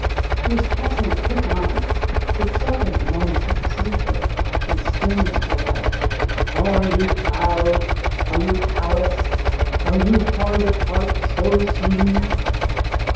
He was passing quick on, but stopping the moment he perceived her, he sternly called out "Are you proud? are you callous? are you hard of heart so soon?"